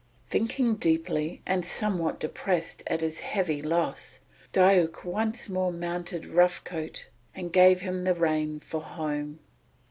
Thinking deeply and somewhat depressed at his heavy loss, Diuk once more mounted Rough Coat and gave him the rein for home.